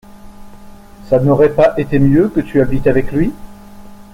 Ça n’aurait pas été mieux que tu habites avec lui?